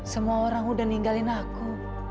semua orang udah ninggalin aku